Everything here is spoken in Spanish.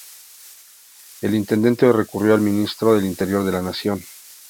El intendente recurrió al Ministro del Interior de la Nación.